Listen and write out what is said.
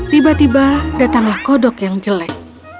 tiba tiba datanglah kodok yang jelek